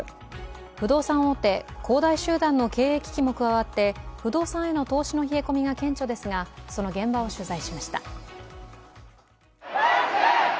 不動産大手恒大集団の経営危機も加わって不動産への投資の冷え込みが顕著ですが、その現場を取材しました。